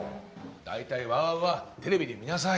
大体ＷＯＷＯＷはテレビで見なさい。